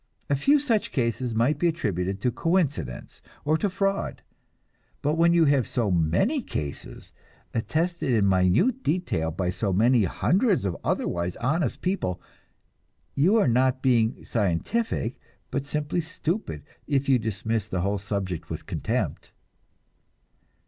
A few such cases might be attributed to coincidence or to fraud, but when you have so many cases, attested in minute detail by so many hundreds of otherwise honest people, you are not being scientific but simply stupid if you dismiss the whole subject with contempt.